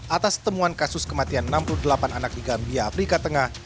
atas temuan kasus kematian enam puluh delapan anak di gambia afrika tengah